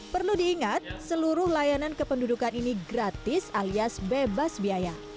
perlu diingat seluruh layanan kependudukan ini gratis alias bebas biaya